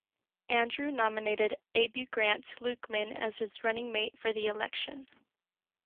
Andrew nominated Abu Grant Lukeman as his running mate for the election.